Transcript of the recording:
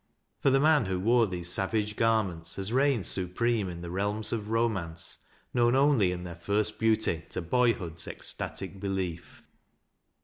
For the man who wore these savage garments has reigned supreme in realms of romance, known only in their first beauty to boyhood's ecstatic belief.